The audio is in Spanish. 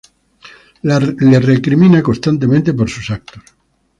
La recrimina constantemente por sus actos.